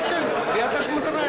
dia tekun di atas muterai